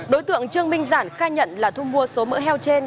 đối tượng trương minh giản khai nhận là thu mua số mỡ heo trên